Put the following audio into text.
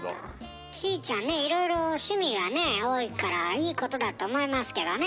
しーちゃんねいろいろ趣味がね多いからいいことだと思いますけどねえ。